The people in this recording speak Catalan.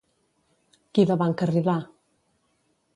Qui la va encarrilar?